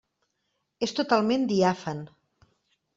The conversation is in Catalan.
És totalment diàfan.